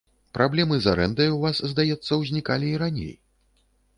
Праблемы з арэндай у вас, здаецца, узнікалі і раней.